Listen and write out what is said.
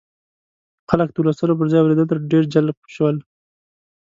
خلک د لوستلو پر ځای اورېدلو ته ډېر جلب شول.